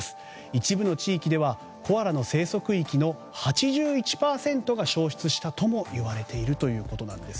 一部の地域ではコアラの生息域の８１％が焼失したといわれているということです。